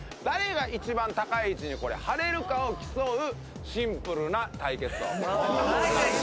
誰が一番高い位置に貼れるかを競うシンプルな対決。